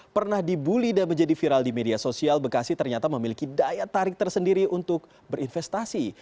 pernah dibully dan menjadi viral di media sosial bekasi ternyata memiliki daya tarik tersendiri untuk berinvestasi